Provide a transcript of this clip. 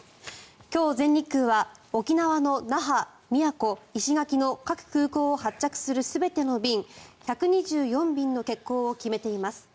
今日、全日空は沖縄の那覇、宮古、石垣の各空港を発着する全ての便１２４便の欠航を決めています。